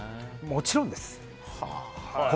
もちろんです！